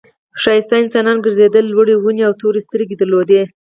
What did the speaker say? ښایسته انسانان گرځېدل لوړې ونې او تورې سترګې درلودې.